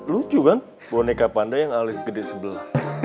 lucu kan boneka pandai yang alis gede sebelah